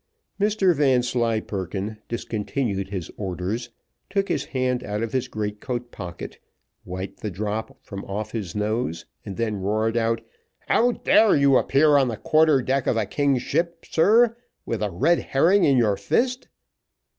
Mr Vanslyperken discontinued his orders, took his hand out of his great coat pocket, wiped the drop from off his nose, and then roared out, "How dare you appear on the quarter deck of a king's ship, sir, with a red herring in your fist?"